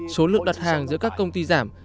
số lượng đặt hàng giữa các công ty giảm